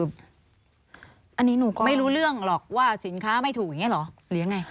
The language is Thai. อันนี้หนูก็ไม่รู้เรื่องหรอกว่าสินค้าไม่ถูกอย่างนี้เหรอหรือยังไง